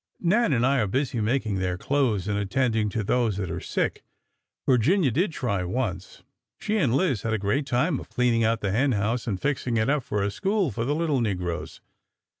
Nan and I are busy making their clothes and attending to those that are sick. Virginia did try once. She and Liz had a great time of cleaning out the hen house and fixing it up for a school for the little ne groes.